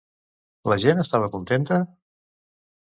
La gent estava contenta?